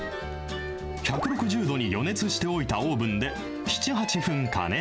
１６０度に予熱しておいたオーブンで７、８分、加熱。